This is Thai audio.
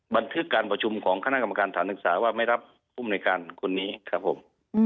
บันทึกการประชุมของคณะกรรมการฐานศึกษาว่าไม่รับภูมิในการคนนี้ครับผม